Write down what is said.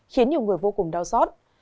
khiến nhiều người vô cùng đau xót